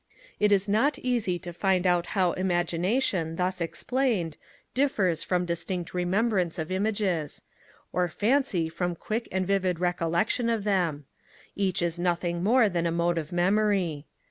It is not easy to find out how imagination, thus explained, differs from distinct remembrance of images; or fancy from quick and vivid recollection of them: each is nothing more than a mode of memory.